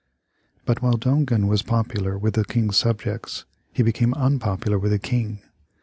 But while Dongan was popular with the King's subjects, he became unpopular with the King.